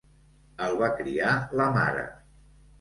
El va criar la mare.